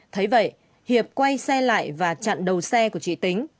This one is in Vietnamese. thấy vậy hiệp quay xe lại và chặn đầu xe của chị tính